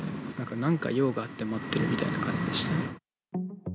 なんか用があって待ってるみたいな感じでしたね。